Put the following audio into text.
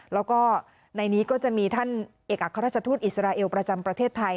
แล้วก็ในนี้ก็จะมีท่านเอกอัครราชทูตอิสราเอลประจำประเทศไทย